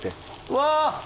うわ！